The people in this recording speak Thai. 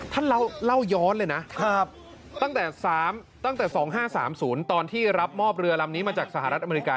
ท่านเล่าย้อนเลยนะตั้งแต่๒๕๓๐ตอนที่รับมอบเรือลำนี้มาจากสหรัฐอเมริกา